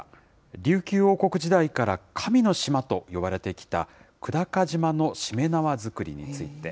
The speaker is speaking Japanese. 琉球王国時代から神の島と呼ばれてきた久高島のしめ縄作りについて。